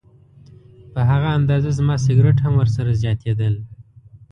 په هغه اندازه زما سګرټ هم ورسره زیاتېدل.